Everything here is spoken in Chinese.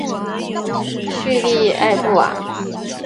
叙里埃布瓦。